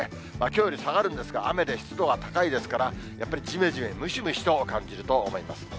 きょうより下がるんですが、雨で湿度が高いですから、やっぱりじめじめ、ムシムシと感じると思います。